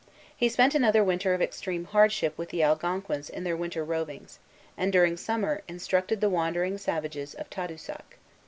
He spent another winter of extreme hardship with the Algonquins on their winter rovings, and during summer instructed the wandering savages of Tadoussac.